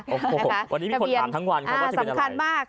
โอ้โหวันนี้มีคนถามทั้งวันค่ะว่าจะเป็นอะไรทะเบียนอ่าสำคัญมาก